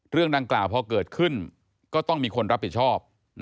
เรื่องดังกล่าวพอเกิดขึ้นก็ต้องมีคนรับผิดชอบ